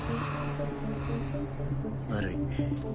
悪い。